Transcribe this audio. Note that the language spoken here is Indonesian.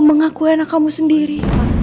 mengakuinah kamu sendiri